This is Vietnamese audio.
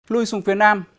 lui xuống phía nam